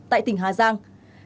tại tỉnh hà giang